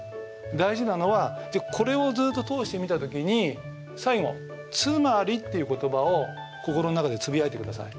大事なのはこれをずっと通して見た時に最後「つまり」っていう言葉を心の中でつぶやいてください。